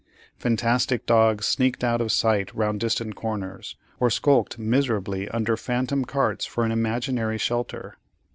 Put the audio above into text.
Fantastic dogs sneaked out of sight round distant corners, or skulked miserably under phantom carts for an imaginary shelter.